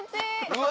うわ！